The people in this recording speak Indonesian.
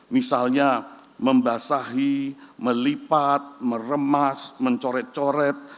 misalnya membasahi melipat meremas mencoret coret